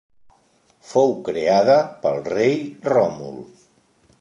Fou creada pel rei Ròmul.